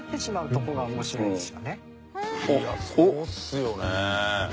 いやあそうっすよね。